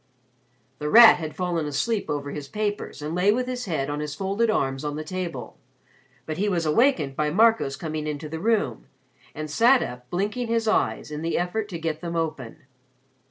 The Rat had fallen asleep over his papers and lay with his head on his folded arms on the table. But he was awakened by Marco's coming into the room and sat up blinking his eyes in the effort to get them open.